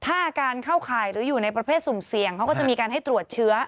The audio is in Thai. ถ้าอาการเข้าข่ายหรืออยู่ในประเภทสุ่มเสี่ยงเขาก็จะมีการให้ตรวจเชื้อ